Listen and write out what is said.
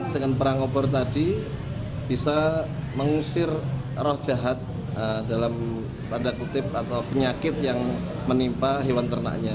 dengan perang obor tadi bisa mengusir roh jahat dalam tanda kutip atau penyakit yang menimpa hewan ternaknya